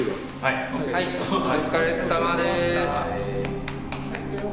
・はいお疲れさまです。